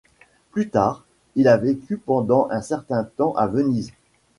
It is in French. Plus tard, il a vécu pendant un certain temps à Venise.